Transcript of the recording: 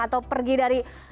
atau pergi dari kawasan